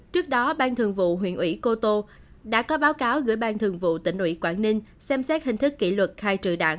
trước đó ban thường vụ huyện ủy cô tô đã có báo cáo gửi ban thường vụ tỉnh ủy quảng ninh xem xét hình thức kỷ luật khai trừ đảng